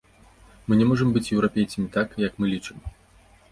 Мы не можам быць еўрапейцамі так, як мы лічым.